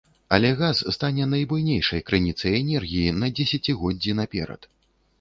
Але газ стане найбуйнейшай крыніцай энергіі на дзесяцігоддзі наперад.